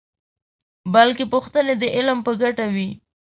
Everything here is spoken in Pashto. بلکې پوښتنې د علم په ګټه وي.